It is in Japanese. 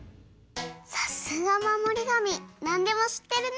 さすがまもりがみなんでもしってるね！